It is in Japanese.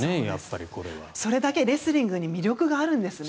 それだけレスリングに魅力があるんですね。